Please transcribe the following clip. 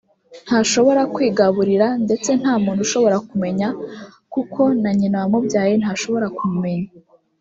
ntashobora kwigaburira ndetse nta n’umuntu ashobora kumenya kuko na nyina wamubyaye ntashobora kumumenya